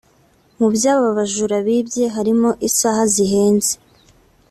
Mu byo aba bajura bibye harimo isaha zihenze